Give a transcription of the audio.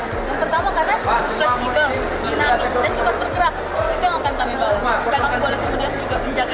yang pertama karena kreatif dinam dan cepat bergerak itu yang akan kami bawa supaya kami kemudian juga bisa menjaga idealisme